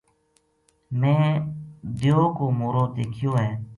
میں دیو کو مورو دیکھیو ہے